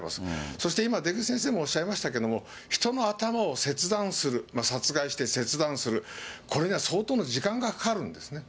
そして今、出口先生もおっしゃいましたけれども、人の頭を切断する、殺害して切断する、これには相当の時間がかかるんですね。